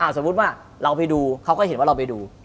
สมมุติว่าเราไปดูเขาก็เห็นว่าเราไปดู